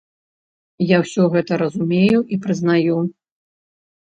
Я ўсё гэта разумею і прызнаю.